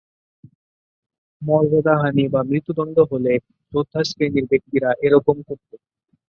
মর্যাদাহানি বা মৃত্যুদন্ড হলে যোদ্ধাশ্রেণীর ব্যক্তিরা এরকম করত।